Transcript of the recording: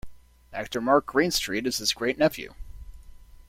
Actor Mark Greenstreet is his great-nephew.